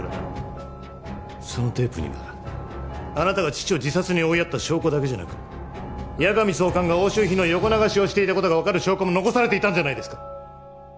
そのテープにはあなたが父を自殺に追いやった証拠だけじゃなく矢上総監が押収品の横流しをしていた事がわかる証拠も残されていたんじゃないですか？